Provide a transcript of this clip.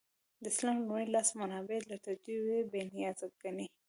د اسلام لومړي لاس منابع له تجدیده بې نیازه ګڼي.